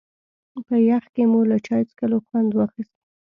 په يخ کې مو له چای څښلو خوند واخيست.